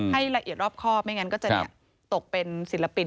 ให้ละเอียดรอบข้อไม่อย่างนั้นก็จะตกเป็นศิลปิน